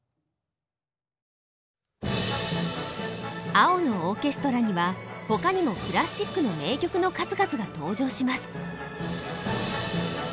「青のオーケストラ」には他にもクラシックの名曲の数々が登場します。